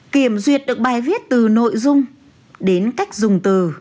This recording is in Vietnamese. kiểm duyệt được bài viết từ nội dung đến cách dùng từ